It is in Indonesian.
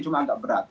cuma agak berat